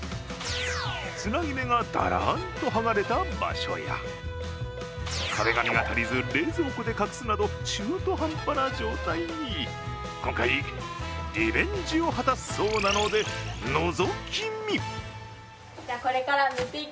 つなぎ目がだらんと剥がれた場所や壁紙が足りず、冷蔵庫で隠すなど、中途半端な状態に今回、リベンジを果たすそうなのでのぞき見。